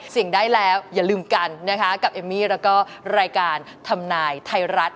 สิ่งได้แล้วอย่าลืมกันนะคะกับเอมมี่แล้วก็รายการทำนายไทยรัฐ